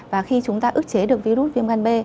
và khi chúng ta ước chế được virus viêm gan b